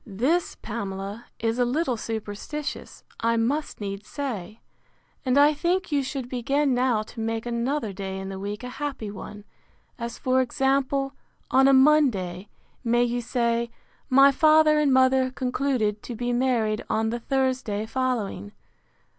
This, Pamela, is a little superstitious, I must needs say; and I think you should begin now to make another day in the week a happy one; as for example; on a Monday, may you say, my father and mother concluded to be married on the Thursday following.